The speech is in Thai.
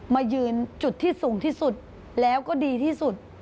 มายืนจุดที่สูงที่สุดแล้วก็ดีที่สุด